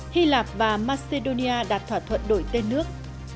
hy lạp và macedonia đạt thỏa thuận đổi tên nước